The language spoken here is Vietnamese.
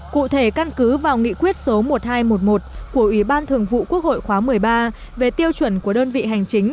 cụ thể căn cứ vào nghị quyết số một nghìn hai trăm một mươi một của ủy ban thường vụ quốc hội khóa một mươi ba về tiêu chuẩn của đơn vị hành chính